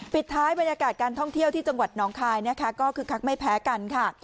ปิดท้ายบรรยากาศการท่องเที่ยวที่จังหวัดน้องคายนะคะก็คือคักไม่แพ้กันค่ะ